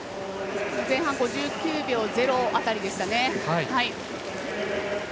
前半５９秒０辺りでしたね。